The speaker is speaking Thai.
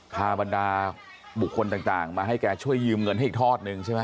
บรรดาบุคคลต่างมาให้แกช่วยยืมเงินให้อีกทอดนึงใช่ไหม